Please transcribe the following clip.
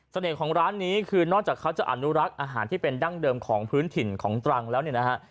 ของร้านนี้คือนอกจากเขาจะอนุรักษ์อาหารที่เป็นดั้งเดิมของพื้นถิ่นของตรังแล้วเนี่ยนะฮะ